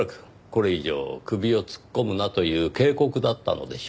これ以上首を突っ込むなという警告だったのでしょう。